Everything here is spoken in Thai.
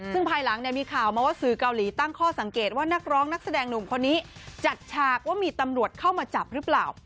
ซึ่งภายหลังเนี่ยมีข่าวมาว่าสื่อเกาหลีตั้งข้อสังเกตว่านักร้องนักแสดงหนุ่มคนนี้จัดฉากว่ามีตำรวจเข้ามาจับหรือเปล่า